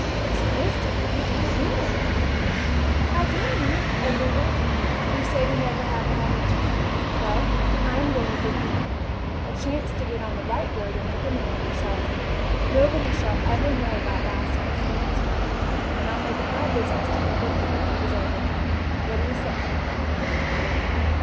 "Miss Calista, you can't mean it." "I do mean it, every word. You say you have never had a chance. Well, I am going to give you one a chance to get on the right road and make a man of yourself. Nobody shall ever know about last night's doings from me, and I'll make it my business to forget them if you deserve it. What do you say?"